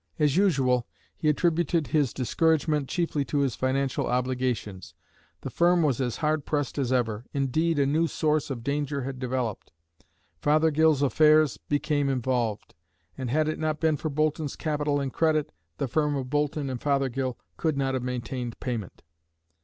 As usual, he attributed his discouragement chiefly to his financial obligations. The firm was as hard pressed as ever. Indeed a new source of danger had developed. Fothergill's affairs became involved, and had it not been for Boulton's capital and credit, the firm of Boulton and Fothergill could not have maintained payment.